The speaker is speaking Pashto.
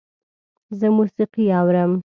زه موسیقي اورم